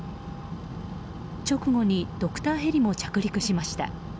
直後にドクターヘリも着陸しました。